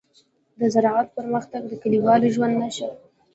د زراعت پرمختګ د کليوالو ژوند ښه کوي.